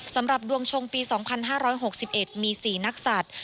สำหรับดวงชงปี๒๕๖๑มี๔นักศัตริย์